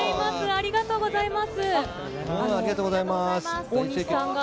ありがとうございます。